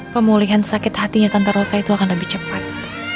pemulihan sakit hatinya tanta rosa itu akan lebih cepat